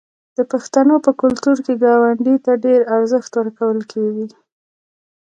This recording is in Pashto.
د پښتنو په کلتور کې ګاونډي ته ډیر ارزښت ورکول کیږي.